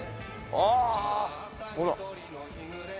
ああほら。